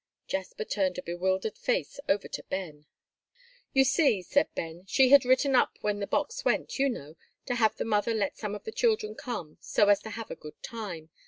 Jasper turned a bewildered face over to Ben. "You see," said Ben, "she had written up when the box went, you know, to have the mother let some of the children come, so as to have a good time.